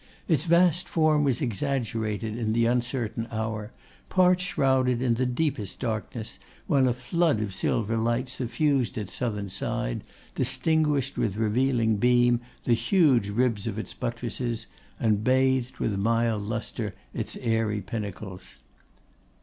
Its vast form was exaggerated in the uncertain hour; part shrouded in the deepest darkness, while a flood of silver light suffused its southern side, distinguished with revealing beam the huge ribs of its buttresses, and bathed with mild lustre its airy pinnacles.